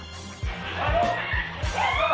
ฮัลโหล